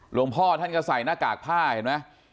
หลวงพ่อท่านก็ใส่หน้ากากผ้าเห็นไหม